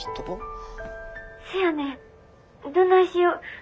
せやねんどないしよ。